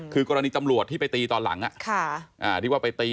คือกรณีตำรวจที่ไปตีตอนหลังที่ว่าไปตี